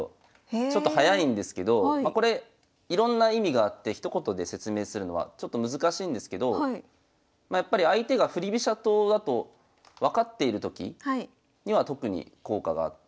ちょっと早いんですけどこれいろんな意味があってひと言で説明するのはちょっと難しいんですけどやっぱり相手が振り飛車党だと分かっているときには特に効果があって。